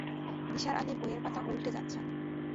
নিসার আলি বইয়ের পাতা উন্টে যাচ্ছেন।